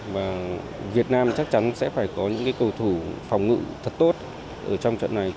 và việt nam chắc chắn sẽ phải có những cầu thủ phòng ngự thật tốt ở trong trận này